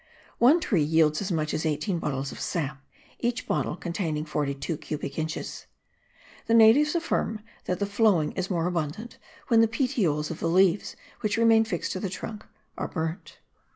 One tree yields as much as eighteen bottles of sap, each bottle containing forty two cubic inches. The natives affirm that the flowing is more abundant when the petioles of the leaves, which remain fixed to the trunk, are burnt.